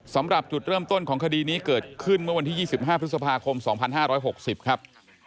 สำหรับจุดเริ่มต้นของคดีนี้เกิดขึ้นเมื่อวันที่๒๕พฤษภาคม๒๕๖๐ครับ